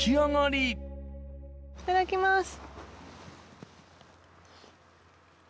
いただきます。